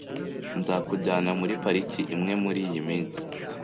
Nzakujyana muri pariki imwe muriyi minsi.